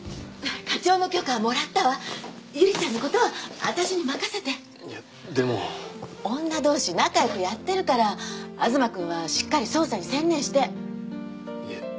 課長の許可はもらったわ百合ちゃんのことは私に任せていやでも女どうし仲よくやってるから東くんはしっかり捜査に専念していえ